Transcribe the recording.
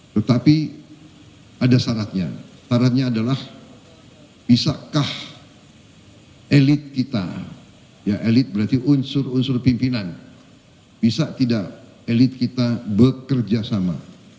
tetapi ada syaratnya syaratnya adalah bisakah elit kita ya elit berarti unsur unsur pimpinan bisa tidak elit kita bekerja sama